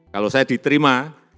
kalau saya diterima